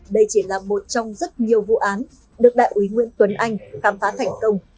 đây chỉ là một trong rất nhiều vụ án được đại úy nguyễn tuấn anh khám phá thành công